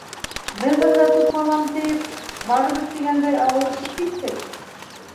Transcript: Беҙ бында тупалам тейеп, барыбыҙ тигәндәй ауырышып киттек.